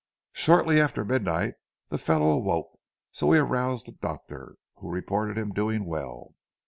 Shortly after midnight the fellow awoke, so we aroused the doctor, who reported him doing well.